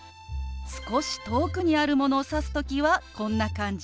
少し遠くにあるものを指す時はこんな感じ。